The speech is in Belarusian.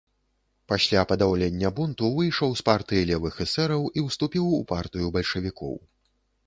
Пасля падаўлення бунту выйшаў з партыі левых эсэраў і ўступіў у партыю бальшавікоў.